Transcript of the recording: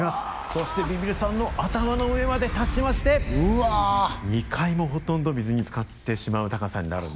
そしてビビるさんの頭の上まで達しまして２階もほとんど水につかってしまう高さになるんですね。